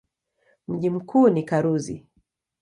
Mji mkuu ni Karuzi.